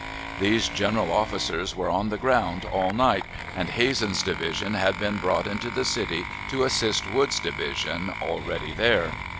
These general officers were on the ground all night, and Hazen's division had been brought into the city to assist Woods's division, already there.